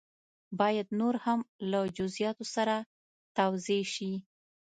باید نور هم له جزیاتو سره توضیح شي.